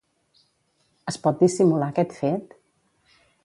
Es pot dissimular aquest fet?